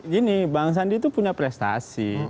gini bang sandi itu punya prestasi